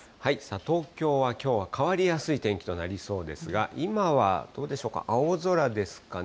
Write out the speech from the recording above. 東京はきょうは変わりやすい天気となりそうですが、今はどうでしょうか、青空ですかね。